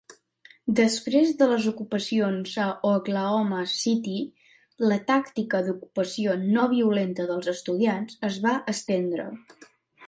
Després de les ocupacions a Oklahoma City, la tàctica d'ocupació no violenta dels estudiants es va estendre.